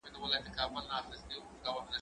زه اوس ليکنې کوم!؟